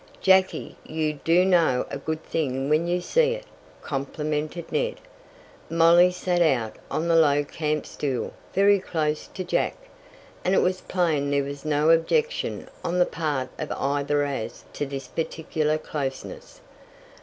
"Jackie, you do know a good thing when you see it," complimented Ned. Molly sat out on the low camp stool very close to Jack, and it was plain there was no objection on the part of either as to this particular closeness.